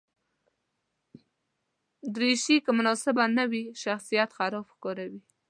دریشي که مناسبه نه وي، شخصیت خراب ښکاروي.